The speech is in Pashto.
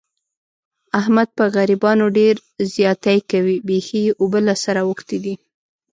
احمد په غریبانو ډېر زیاتی کوي. بیخي یې اوبه له سره اوښتې دي.